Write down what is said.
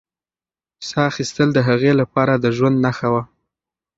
ساه اخیستل د هغې لپاره د ژوند نښه وه.